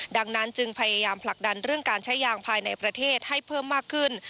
ดังนั้นจึงพยายามผลักดันเรื่องการใช้ยางภายในประเทศให้เพิ่มมากขึ้น